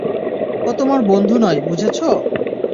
ও তোমার বন্ধু নয়, বুঝেছো?